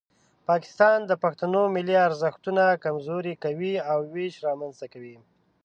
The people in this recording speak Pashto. پاکستان د پښتنو ملي ارزښتونه کمزوري کوي او ویش رامنځته کوي.